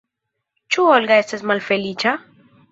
Ĉu Olga estas malfeliĉa?